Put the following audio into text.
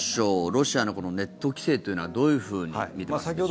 ロシアのネット規制というのはどういうふうに見てますでしょうか。